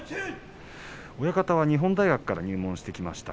親方は日本大学から入門してきました。